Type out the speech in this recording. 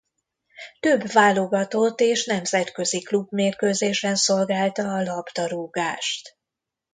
Több válogatott és nemzetközi klubmérkőzésen szolgálta a labdarúgást.